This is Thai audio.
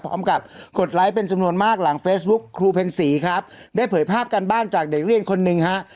กดไลค์เป็นจำนวนมากหลังเฟซบุ๊คครูเพ็ญศรีครับได้เผยภาพการบ้านจากเด็กเรียนคนหนึ่งฮะ